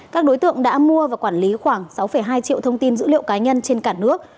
các đối tượng đã mua và quản lý khoảng sáu hai triệu thông tin dữ liệu cá nhân trên cả nước